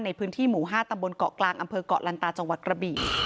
ในพื้นที่หมู่๕ตำบลเกาะกลางอเกาะลันตาจกระบิ